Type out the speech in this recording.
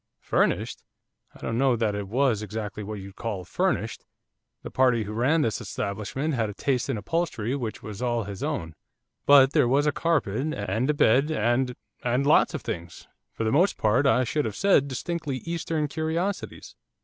'Furnished? I don't know that it was exactly what you'd call furnished, the party who ran this establishment had a taste in upholstery which was all his own, but there was a carpet, and a bed, and and lots of things, for the most part, I should have said, distinctly Eastern curiosities.